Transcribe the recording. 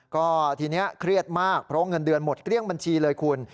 ก็ทีนี้เครียดมากเพราะเงินเดือนหมดเกลี้ยงบัญชีเลยคุณ